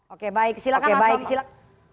oke baik silahkan mas bambang